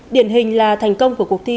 điển hình là thành công của cuộc thi